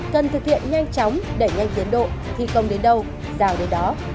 cần thực hiện nhanh chóng để nhanh tiến độ thi công đến đâu rào đến đó